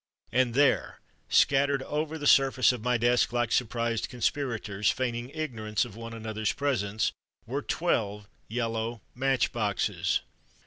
And there, scattered over the surface of my desk like surprised conspirators, feigning ignorance of one another's presence, were twelve yellow Match boxes!